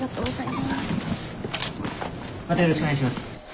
またよろしくお願いします。